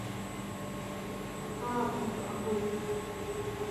Ааԥынра абоит.